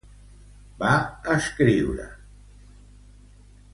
Va escriure The Houses: Temples of the Sky.